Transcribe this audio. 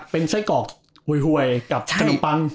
เป็นไส้กรอกหวยกับขนมปัง